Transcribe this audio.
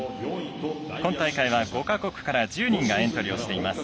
今大会は５か国から１０人がエントリーをしています。